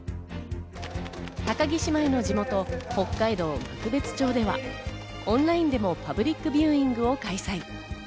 高木姉妹の地元・北海道幕別町では、オンラインでもパブリックビューイングを開催。